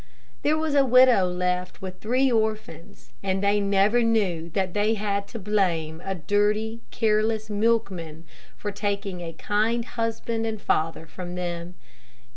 There was a widow left with three orphans, and they never knew that they had to blame a dirty, careless milkman for taking a kind husband and father from them.